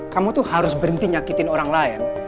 kamu tuh harus berhenti nyakitin orang lain